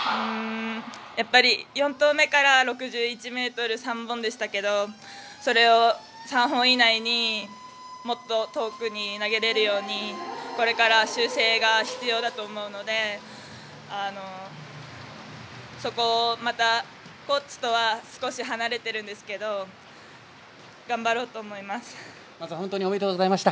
やっぱり４投目から６１ｍ３本でしたけどそれを、３本以内にもっと遠くに投げられるようにこれから修正が必要だと思うのでそこをまたコーチとは少し離れているんですけど本当におめでとうございました。